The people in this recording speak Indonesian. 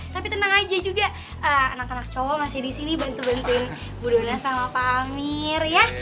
tapi tenang aja juga anak anak cowok masih di sini bantu bantuin bu dona sama pak amir ya